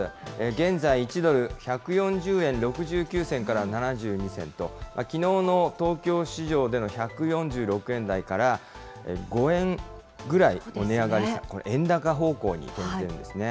現在、１ドル１４０円６９銭から７２銭と、きのうの東京市場での１４６円台から、５円ぐらい値上がりした、これ、円高方向に転じているんですね。